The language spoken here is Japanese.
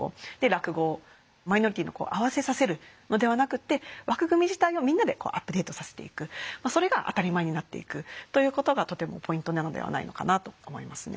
マイノリティーの子を合わせさせるのではなくって枠組み自体をみんなでアップデートさせていくそれが当たり前になっていくということがとてもポイントなのではないのかなと思いますね。